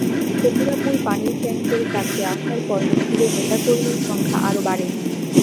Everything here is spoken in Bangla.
ফকিরাপুল পানির ট্যাংকের কাছে আসার পর মিছিলে নেতা কর্মীর সংখ্যা আরও বাড়ে।